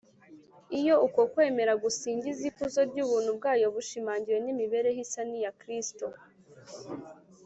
iyo uko kwemera gusingiza ikuzo ry’ubuntu bwayo bishimangiwe n’imibereho isa n’iya kristo,